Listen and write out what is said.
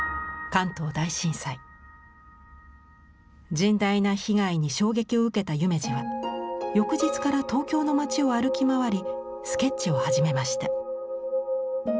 甚大な被害に衝撃を受けた夢二は翌日から東京の街を歩き回りスケッチを始めました。